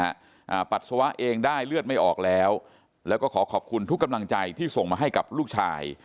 อ่าปัสสาวะเองได้เลือดไม่ออกแล้วแล้วก็ขอขอบคุณทุกกำลังใจที่ส่งมาให้กับลูกชาย